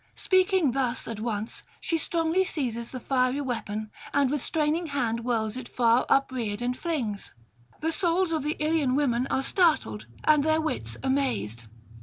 Speaking thus, at once she strongly seizes the fiery weapon, and with straining hand whirls it far upreared, and flings: the souls of the Ilian women are startled and their wits amazed.